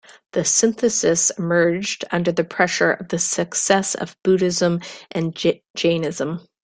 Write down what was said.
This synthesis emerged under the pressure of the success of Buddhism and Jainism.